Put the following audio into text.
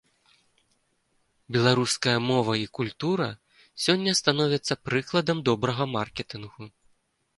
Беларуская мова і культура сёння становяцца прыкладам добрага маркетынгу.